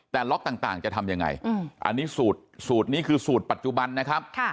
แต่ล็อกต่างจะทำยังไงอันนี้สูตรนี้คือสูตรปัจจุบันนะครับ